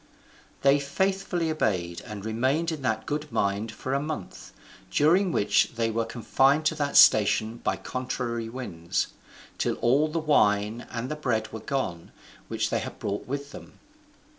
They faithfully obeyed, and remained in that good mind for a month, during which they were confined to that station by contrary winds, till all the wine and the bread were gone which they had brought with them.